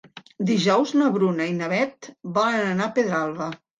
Dijous na Bruna i na Beth volen anar a Pedralba.